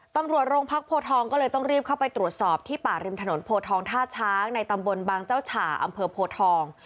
ตำรวจโรงพักโพทองก็เลยต้องรีบเข้าไปตรวจสอบที่ป่าริมถนนโพทองท่าช้างในตำบลบางเจ้าฉ่าอำเภอโพทอง